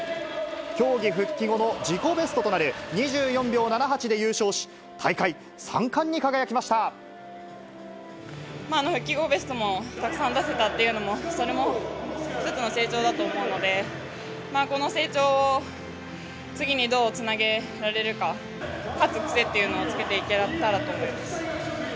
競技復帰後の自己ベストとなる２４秒７８で優勝し、復帰後ベストもたくさん出せたっていうのも、それも１つの成長だと思うので、この成長を次にどうつなげられるか、勝つ癖というのをつけていけたらと思います。